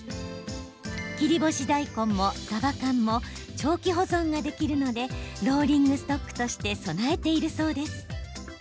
切り干し大根も、さば缶も長期保存ができるのでローリングストックとして備えているそうです。